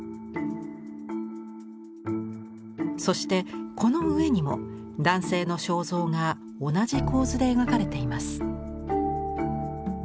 そしてこの上にも男性の肖像が同じ構図で描かれています。